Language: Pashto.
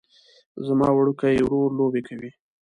زما وړوکی ورور لوبې کوي